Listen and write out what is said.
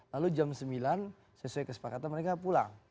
lalu jam sembilan sesuai kesepakatan mereka pulang